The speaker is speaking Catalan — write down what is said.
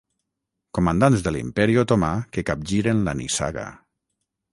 Comandants de l'imperi otomà que capgiren la nissaga.